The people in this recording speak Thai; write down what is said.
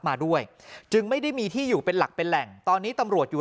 มาด้วยจึงไม่ได้มีที่อยู่เป็นหลักเป็นแหล่งตอนนี้ตำรวจอยู่